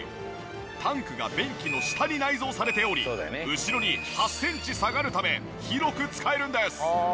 タンクが便器の下に内蔵されており後ろに８センチ下がるため広く使えるんです！